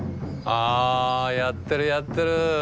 ・・あやってるやってる！